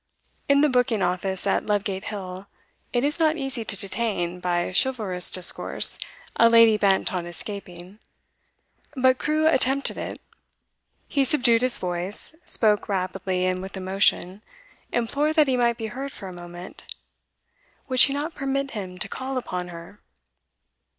In the booking office at Ludgate Hill it is not easy to detain, by chivalrous discourse, a lady bent on escaping; but Crewe attempted it. He subdued his voice, spoke rapidly and with emotion, implored that he might be heard for a moment. Would she not permit him to call upon her?